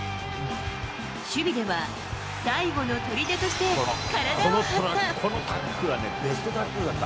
守備では、最後のとりでとして体を張った。